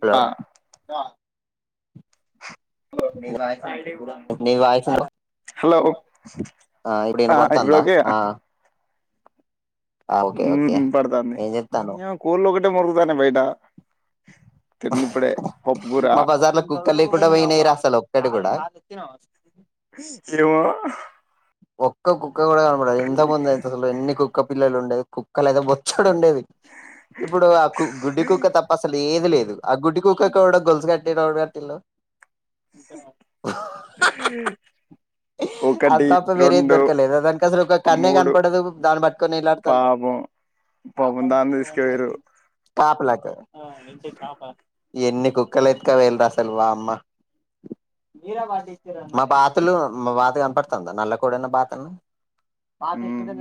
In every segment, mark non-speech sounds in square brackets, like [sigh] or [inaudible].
Hello holiday గుడాన్ష్ నీ voice ఆ హలో ఇప్పుడు ఆ వినపడుతుందా ఇప్పుడోకే ఆ ఆ ఓకే ఓకే ఉ పడతాంది ఏం చెప్తాన్నావ్ నీయ మకోళ్ళు ఒకటే మొరుగుతానయ్ బయట తిన్నిప్పుడే పప్పుకూర మా బజార్‌లో కుక్కలేకుండపొయినయిరా అసలు ఒగటి గుడా జెమో ఒక్క కుక్క గూడ కనబడదు ఇంతకు ముందైతే అసలు ఎన్ని కుక్క పిల్లలు ఉండేది కుక్కలు అయితే బొచ్చ్ ఇక్కడ ఉండేది ఇప్పుడు ఆ కు గుడ్డి కుక్క తప్ప అసలు ఏది లేదు ఆ గుడ్డి కుక్కెవడొ గొల్సు కట్టె డెవడు కట్టిలో అది ఒకటి తప్ప వేరేది రెండు దొరకలేద దానికసలు ఒక కన్నే మూడు కనపడదు దాన్ని పట్టుకొని ఏళ్లాడతాన్ పాపం పాపం దాన్ని తీసుక వేరు కాపలాక్ ఎన్ని కుక్కలు ఎత్తుక వెయిల్ రా అసలు వామ్మా మా బాతలు మా బాత కనపడ్ నల్ల కోడన్నబాత్ న్న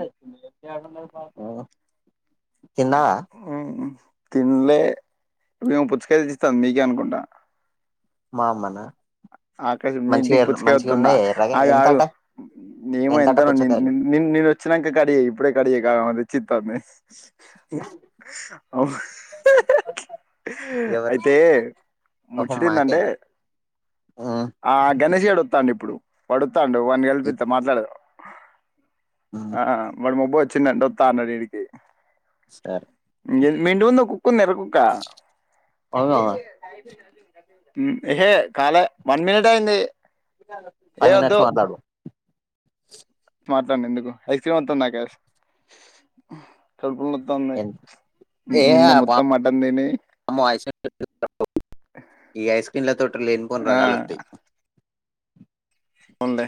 ఊ ఊ తిన్ లేె మీ అమ్ పుచ్చకాయలు తీస్తాం మీకే అనుకుంటా మా అమ్మనా ఆకాశ మీ మంచిగా ఇంటికి ఎర్ర మంచిగా పుచ్చకాయత్తుంద ఉన్నాయి ఎర్రగా ఆగు ఆగు ఎంతట నీవ ఎంతట ఎంతన ని పుచ్చకాయలు నిన్ నిను వచ్చినంక కడి చెయ్ ఇప్పుడే కడిచెయ్కా ఆమె తెచ్చితాంది అవు ఎవరికి అయితే ఓహో ముచ్చటెందంటే మాకేనా ఆ గణేష్ గాడు వత్తాండు ఇప్పుడు వాడొత్తాండు వాడిని కలిపిత్త మాట్లాడు ఆ వాడు మబ్బు వచ్చిందంట వొత్తానడు ఈడికి సార్ మీ ఇంటి ముందు ఓకుక్కుంది యర్ర కుక్క అవును ఏహే కాలె వన్ మినిట్ అయింది ఏ ఫైవ్ మినిట్స్ మాట్లాడు మాట్లాడిన ఎందుకు ఐస్ క్రీమ్ వత్తంది నాకష్ తలుపులునొత్తానయి ఏ నిన్న మొత్తం మటన్ తిని వామ్మో ఐస్ ఈ ఐస్ క్రీంల తోటి లేనిపోను ఆ, రోగాలత్తయి పోన్లే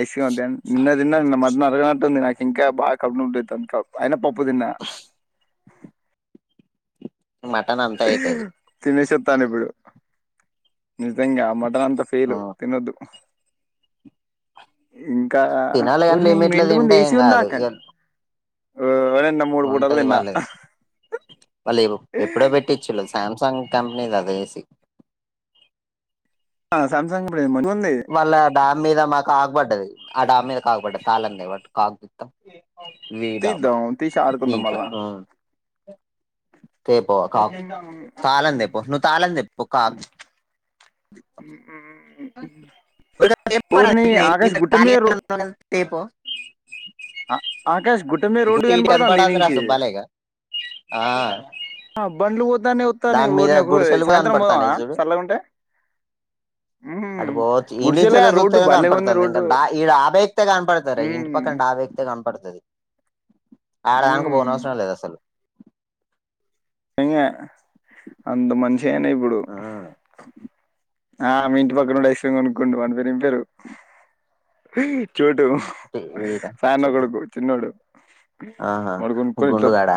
ఐస్క్రీమ్ వద్దన్ నిన్న తిన్న మటన్ అరగనట్టుంది ఇంకా బాగా కడుపు నొప్పిలెత్తాంది కడుప్ అయిన పప్పు తిన్నా మటన్ అంతా అయితది తినెష తనిబ్‌డు నిజంగ ఆ మటన్ అంత ఫెయిల్ తినద్దు ఇమ్ క తినాలి కానీ ఒరిని మీ లిమిట్లో ఇంటిముందు తింటే ఏ ఏం సి కాదు ఇక ఉందాకన్ ఉంటది వాళ్ళది వాళ్ళు ఎప్పుడో చిల్‌ సామ్ సంగ్ కంపనీ దది ఏ సీ సామ్సంగ్ మంచిగా ఉంది వాళ్ళ డ్యామ్ మీద మా కాగ్బడ్డది ఆ డ్యామ్ మీద కాక్బడ్డది తాలంది బట్టి కాగుపిత్తం వీడాబ తీద్దాం తీసి ఆడుకుందాం ఇంక మళ్ళా ఉ తెపో కా తాళంతేపో నువ్వు తాళ తెేప్పు కా ఓర్ని ఆకాష్ గుట్ట మీద [unintelligible] అ ఆట్ ఆకాష్ గుట్ట మీ రోడ్డు గుట్టి ఇటు కనపడతాంది కనపడదు రా ఈనుంచి సుబ్బాలేగా ఆ, బండ్లు పో దానవతాన య్ దాని మీద ఊరిని ఒకరు గుడిసెలు కూడా సాయంత్రం పోదామ. కనపడతాను చూడు సల్లగుంట య్ అటు పోచ్చు ఇంటించ చూస్తే భలేగా ఉంది కనపడుతుంది ఇంకా రోడ్డు డాబా ఎక్తే కనపడతారు ఇంటి పక్కన డాబ డా బా ఎక్తే కనపడుతది ఆడదాంక పోన అవసరం లేదు అసలు నింగే అంత మంచి అయినా ఇప్పుడు ఉమ్, ఆ మీ ఇంటి పక్కన ఐస్ క్రీమ్ కొనుక్కోండు వాణి పేరు ఏమి పేరు చ డు ఈ- ఈడ ఫన్ చూ కొడుకు చిన్నోడు ఆహా వాడు కొనుకని ఇట్లా గుండుగాడ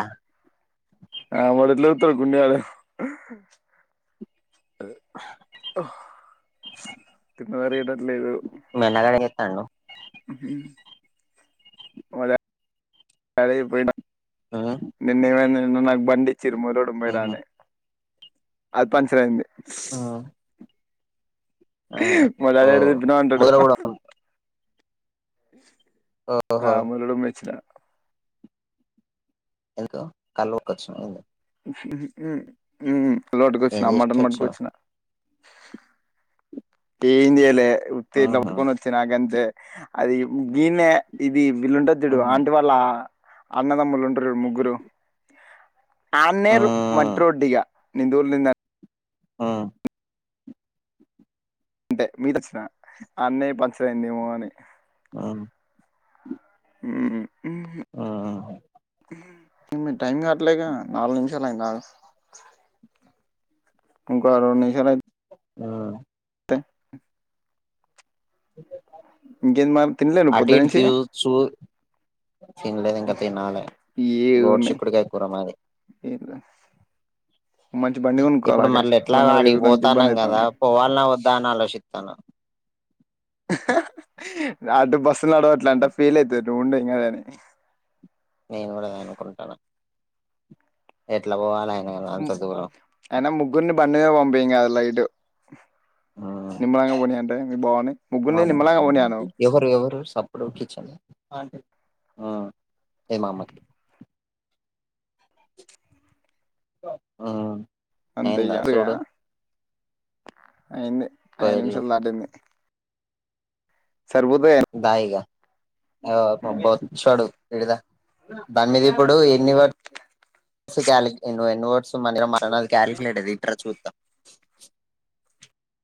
ఆ వాడు ఎట్ల ఉడుతాడు గుండుగాడు అ తిన్న తిన్నట్లు లేదు హలో అదే పోయినా ఉమ్, నిన్న ఏమయింది నిన్న నాకు బండిచ్చిరు మురుడు మోయిరా ఉహు, అని అది పంచర్ అయింది ఆ మా ఓ డాడీ యాడ తిప్పినవు ఉంటాడు ముద్ర కూడా ఆ ఓహో మురడు మేచ్చిన ఎందుకు కళ్ళోకోచినన ఏంది అ రోడ్ కు ఏం వచ్చినా చేసి మటన్ మటన్ పట్టు కొ వచ్చావ్ చ్చినా ఏమి చేయలే ఉత్ ఇట్లా ఆహా పట్టుకొని వచ్చినా అంతే అది దీనే ఇది బిల్లుంటడు ఆ చూడు అంటి వాళ్ళ అన్నదమ్ములు ము ముగ్గురు ఆ ఆన్నేర్ మట్్రోడ్డిగా నిందూర్ నింద ఆ అంటే మీరు వచ్చినా అన్నయ పంచర్ అయింది ఏమో అని ఆ ఆ హు మీ టైం కావట్లే గా నాలుగు నిమిషాలు అయిందా ఇంకా రెండు నిమిషాలు అయి ఆ తే ఇంకేంది మరి తినలే నువ్వు పొద్దు అతిథ్ నుంచి చూ తినలేదు ఇంకా తినాలి గోడు చిక్కుడికాయ కూర మాది ఏ ప్లస్ ఇప్పుడు మళ్ళ ఎట్లా తిరగడానికి అడిగిపోతాన్నాం ఇబ్బంది కదా అవుతుంది పోవాలన్నా వద దా నాలోచిస్తున్న ఆహా అటు బస్సు నడవు అట్లా అంటా ఫీల్ అవుతుంది నువ్వు ఉండేం కదని నేను కూడా అదే అనుకుంటాన ఎట్లా పోవాలే అయినా ముగ్గురుని బండిలో పంపియముగా లైట్ ఉమ్, నిమ్మలంగా పోనీ అంటే మీ బావని ముగ్గుని నిమ్మలంగా పోనీయా మను అప్పుడు కిచెన్ ఏమ ఉ అంతే ఇగ గా అయింది అయిదు పోయిల్లు నిమిషాలు దాటింది సరిపోతాయి దాయిగా బొచ్చుడు దాని మీద ఇప్పుడు ఎన్ని ఇస్ కాలీ నోట్స్ మన దగ్గర క్యాలిక్యులేటర్ చూడు